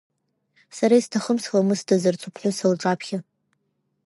Сара исҭахым сламысдазарц уԥхәыс лҿаԥхьа.